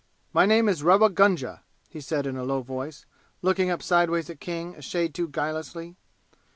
"My name is Rewa Gunga," he said in a low voice, looking up sidewise at King a shade too guilelessly.